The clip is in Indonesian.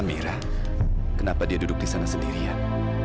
mira kenapa dia duduk di sana sendirian